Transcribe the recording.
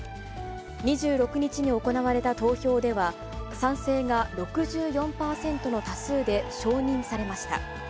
２６日に行われた投票では、賛成が６４％の多数で承認されました。